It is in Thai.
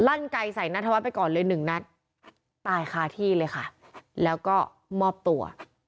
ลั่นไกลใส่นัทวัฒนไปก่อนเลยหนึ่งนัดตายคาที่เลยค่ะแล้วก็มอบตัว